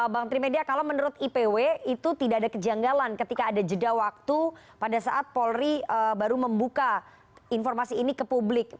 bang trimedia kalau menurut ipw itu tidak ada kejanggalan ketika ada jeda waktu pada saat polri baru membuka informasi ini ke publik